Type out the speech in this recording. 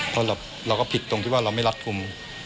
เพราะเราก็ผิดตรงที่ว่าเราไม่รัดกลุ่ม